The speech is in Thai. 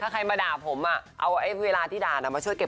ช่วยลดโดดร้อน